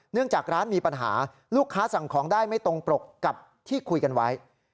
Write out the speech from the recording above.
จากร้านมีปัญหาลูกค้าสั่งของได้ไม่ตรงปรกกับที่คุยกันไว้